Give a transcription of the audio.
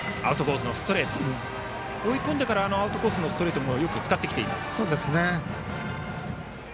追い込んでからアウトコースのストレートをよく使ってきています。